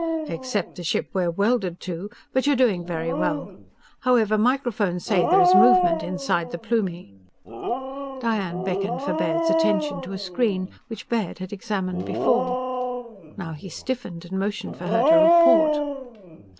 "_Except the ship we're welded to! But you are doing very well. However, microphones say there is movement inside the Plumie._" Diane beckoned for Baird's attention to a screen, which Baird had examined before. Now he stiffened and motioned for her to report.